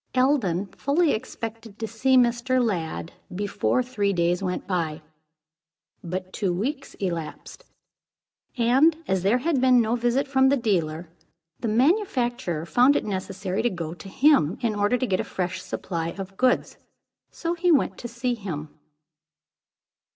Eldon fully expected to see Mr. Lladd before three days went by. But two weeks elapsed, and as there had been no visit from the dealer, the manufacturer found it necessary to go to him, in order to get a fresh supply of goods. So he went to see him.